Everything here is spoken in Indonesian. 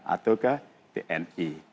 atau ke tni